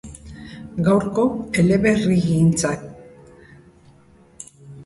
Gaurko eleberrigintzan bide berriak urratzeko.